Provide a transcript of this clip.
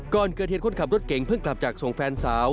ก่อนเกิดเหตุคนขับรถเก่งเพิ่งกลับจากส่งแฟนสาว